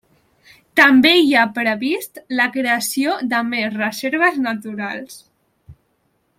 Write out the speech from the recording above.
També hi ha previst la creació de més reserves naturals.